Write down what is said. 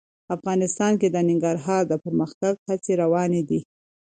افغانستان کې د ننګرهار د پرمختګ هڅې روانې دي.